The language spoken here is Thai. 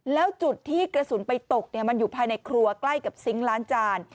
แล้วจุดที่กระสุนไปตกมันอยู่ภายในครัวใกล้กับซิงค์ล้านจาน